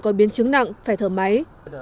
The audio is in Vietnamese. có biến chứng nặng phải thở máy